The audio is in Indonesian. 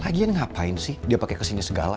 lagian ngapain sih dia pake kesini segala